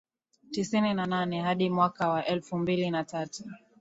tisini na nane hadi mwaka wa elfu mbili na tatu